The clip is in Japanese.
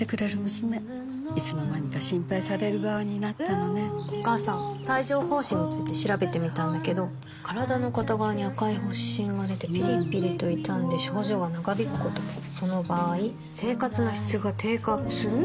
わかるぞお母さん帯状疱疹について調べてみたんだけど身体の片側に赤い発疹がでてピリピリと痛んで症状が長引くこともその場合生活の質が低下する？